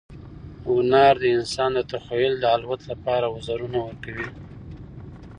هنر د انسان د تخیل د الوت لپاره وزرونه ورکوي.